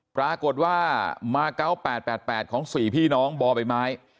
ปรากฏว่ามา๙๘๘ของ๔พี่น้องบ่อใบไม้